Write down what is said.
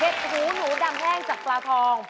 เห็ดหูหนูดำแพง